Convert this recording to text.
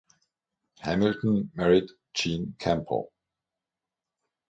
Hamilton married Jean Campbell.